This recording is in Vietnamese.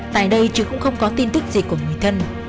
tại đây chứ cũng không có tin tức gì của người thân